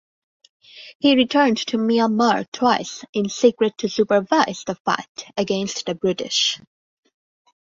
He returned to Myanmar twice in secret to supervise the fight against the British.